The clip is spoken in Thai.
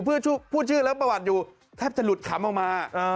พูดชื่อแล้วประวัติอยู่แทบจะหลุดขำออกมา